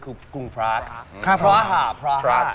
คือกรุงพระธนาคารพระหาพระธนาคาร